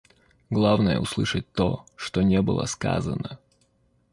Главное — услышать то, что не было сказано.